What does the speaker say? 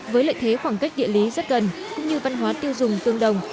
với lợi thế khoảng cách địa lý rất gần cũng như văn hóa tiêu dùng tương đồng